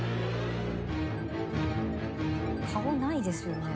顔ないですよね。